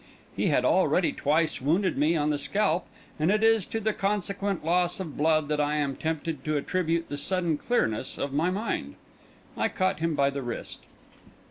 He had already twice wounded me on the scalp; and it is to the consequent loss of blood that I am tempted to attribute the sudden clearness of my mind. I caught him by the wrist.